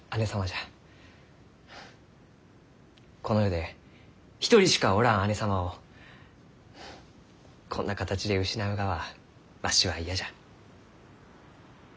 この世で一人しかおらん姉様をこんな形で失うがはわしは嫌じゃ。